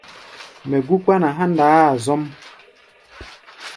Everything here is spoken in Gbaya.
Mɛ gú kpána nu há̧ ndaá-a zɔ́m.